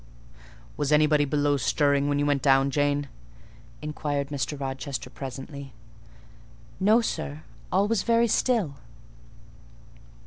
"Was anybody stirring below when you went down, Jane?" inquired Mr. Rochester presently. "No, sir; all was very still."